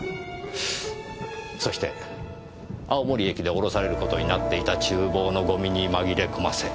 そして青森駅で降ろされる事になっていた厨房のゴミに紛れ込ませ捨てようとしたのです。